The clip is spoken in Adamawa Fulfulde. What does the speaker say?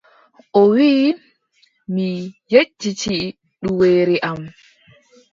O wii, mi yejjiti duweere am.